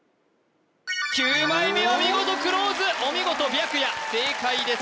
９枚目は見事クローズお見事白夜正解です